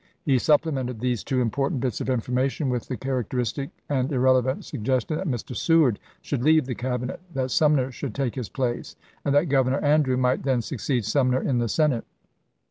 He supplemented these two important bits of informa tion with the characteristic and irrelevant sugges tion that Mr. Seward should leave the Cabinet, that Sumner should take his place, and that Governor Andrew might then succeed Sumner in the Senate.